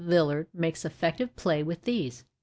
Villard makes effective play with these.